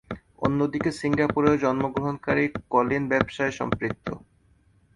অন্যদিকে সিঙ্গাপুরে জন্মগ্রহণকারী কলিন ব্যবসায়ে সম্পৃক্ত।